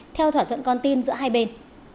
theo thỏa thuận con tin giữa hai bên